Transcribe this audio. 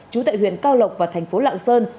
trú tại huyện cao lộc và thành phố lạng sơn